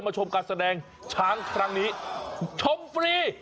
ชมการแสดงช้างครั้งนี้ชมฟรี